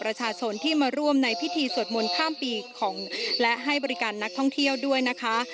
ประชาชนที่มาร่วมในพิธีสวดมนต์ข้ามปีของและให้บริการนักท่องเที่ยวด้วยนะคะ